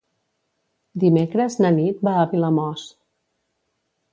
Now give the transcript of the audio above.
Dimecres na Nit va a Vilamòs.